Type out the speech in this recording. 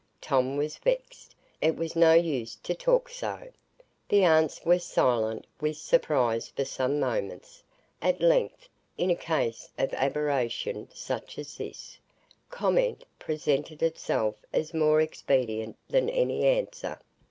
Tom was vexed; it was no use to talk so. The aunts were silent with surprise for some moments. At length, in a case of aberration such as this, comment presented itself as more expedient than any answer.